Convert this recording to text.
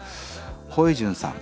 ホイジュンさん。